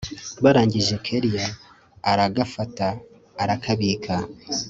barangije kellia aragafata arakabika